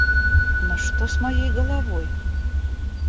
Но что с моей головой?